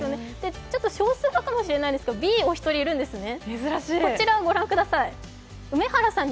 少数派かもしれないんですけどＢもお一人いるんですね。